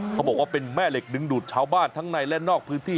เขาบอกว่าเป็นแม่เหล็กดึงดูดชาวบ้านทั้งในและนอกพื้นที่